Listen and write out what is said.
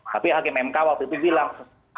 tapi hakim mk waktu itu bilang